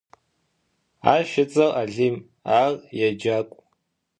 Aş ıts'er Alim, ar yêcak'u.